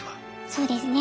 そうですね